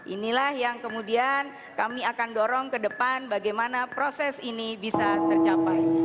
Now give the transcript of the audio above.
inilah yang kemudian kami akan dorong ke depan bagaimana proses ini bisa tercapai